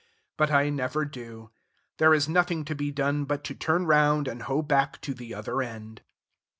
But I never do. There is nothing to be done but to turn round, and hoe back to the other end.